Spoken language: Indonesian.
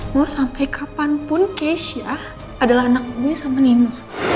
mau sampai kapanpun keisyah adalah anak gue sama nino